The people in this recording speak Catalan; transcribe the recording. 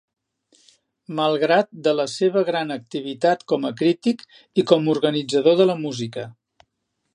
Malgrat de la seva gran activitat com a crític, i com organitzador de la música.